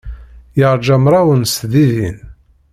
Yeṛja mraw n tesdidin.